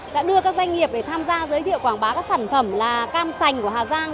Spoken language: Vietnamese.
đã đưa các doanh nghiệp tham gia giới thiệu quảng bá các sản phẩm cam sành của hà giang